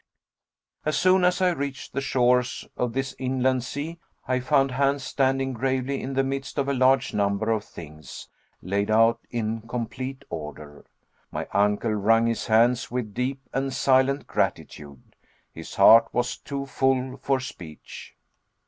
As soon as I reached the shores of this inland sea, I found Hans standing gravely in the midst of a large number of things laid out in complete order. My uncle wrung his hands with deep and silent gratitude. His heart was too full for speech.